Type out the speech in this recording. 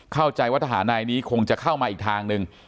เข้าใจว่าทหารนายนี้คงจะเข้ามาอีกทางหนึ่ง